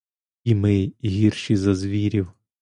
І ми гірші за звірів.